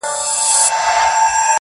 • واه واه، خُم د شرابو ته راپرېوتم، بیا.